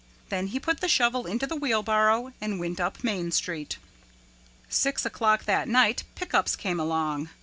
Then he put the shovel into the wheelbarrow and went up Main Street. Six o'clock that night Pick Ups came along.